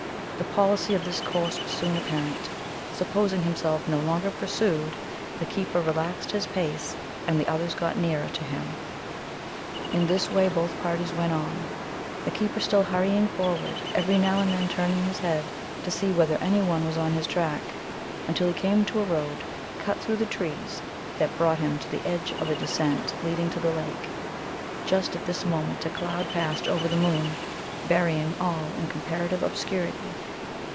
The policy of this course was soon apparent. Supposing himself no longer pursued, the keeper relaxed his pace, and the others got nearer to him. In this way both parties went on, the keeper still hurrying forward, every now and then turning his head to see whether any one was on his track, until he came to a road cut through the trees that brought him to the edge of a descent leading to the lake. Just at this moment a cloud passed over the moon, burying all in comparative obscurity.